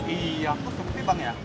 iya aku sempit bang ya